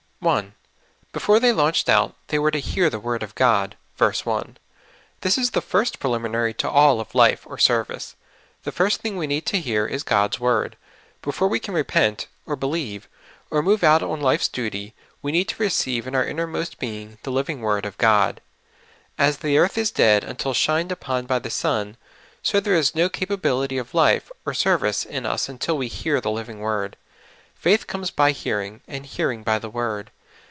I . Before the}' launched out they w^ere to hear the word of God (verse i). This is the first preliminary to, all of life or service. The first thing we need to hear is God's word. Before we can repent, or believe, or move out on life's dut}', we need to receive in our innermost being the living word of God. As the earth is dead until shined upon by the sun, so there is no capabilit}^ of life or service in us until we hear the living word. *' Faith comes by hearing, and hearing by the word."